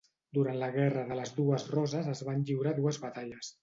Durant la guerra de les dues roses es van lliurar dues batalles.